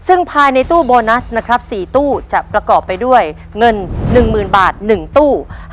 ซึ่งภายในตู้โบนัสนะครับ๔ตู้จะประกอบไปด้วยเงิน๑๐๐๐บาท๑ตู้